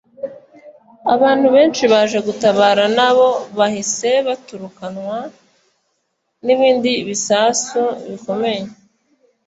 abantu benshi baje gutabara nabo bahise baturikanwa n’ikindi gisasu gikomeye